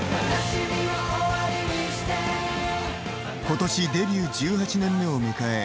ことしデビュー１８年目を迎え